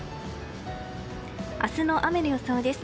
明日の雨の予想です。